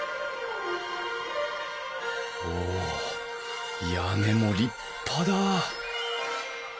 お屋根も立派だ